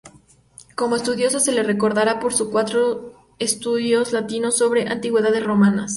Como estudioso se le recordará por sus cuatro estudios latinos sobre antigüedades romanas.